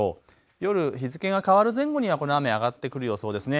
夜、日付が変わる前後にはこの雨、上がってくる予想ですね。